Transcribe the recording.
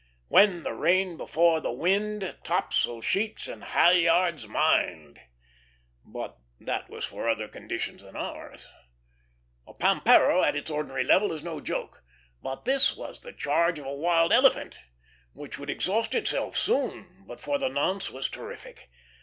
"When the rain before the wind, Topsail sheets and halyards mind;" but that was for other conditions than ours. A pampero at its ordinary level is no joke; but this was the charge of a wild elephant, which would exhaust itself soon, but for the nonce was terrific.